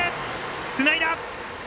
つないだ！